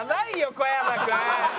小山君！